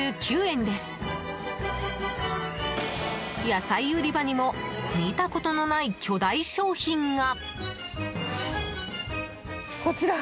野菜売り場にも見たことのない巨大商品が。